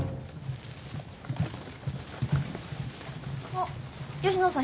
あっ吉野さん